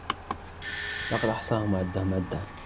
لَقَدْ أَحْصَاهُمْ وَعَدَّهُمْ عَدًّا